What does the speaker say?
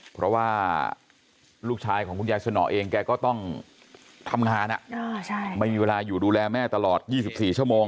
เพราะว่าลูกชายของคุณยายสนอเองแกก็ต้องทำงานไม่มีเวลาอยู่ดูแลแม่ตลอด๒๔ชั่วโมง